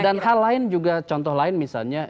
dan hal lain juga contoh lain misalnya